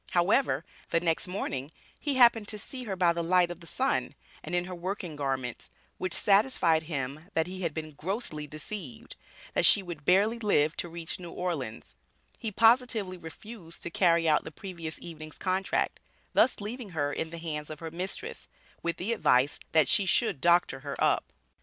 However, the next morning, he happened to see her by the light of the sun, and in her working garments, which satisfied him that he had been grossly deceived; that she would barely live to reach New Orleans; he positively refused to carry out the previous evening's contract, thus leaving her in the hands of her mistress, with the advice, that she should "doctor her up."